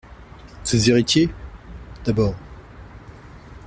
Ses héritiers ? D'abord.